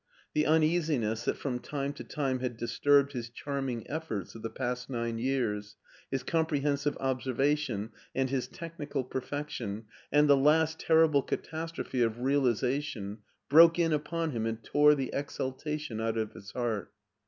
The uneasiness that from time to time had disturbed his charming efforts of the past nine years, his comprehensive observation and his technical perfection, and the last terrible catastrophe of realiza tion, broke in upon him and tore the exultation out of his heart.